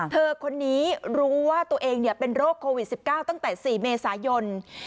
เธอคนนี้รู้ว่าตัวเองเป็นโรคโควิด๑๙ตั้งแต่๔เมษายน